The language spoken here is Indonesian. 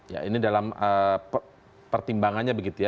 ya ini dalam pertimbangannya begitu ya